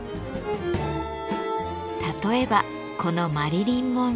例えばこのマリリン・モンロー。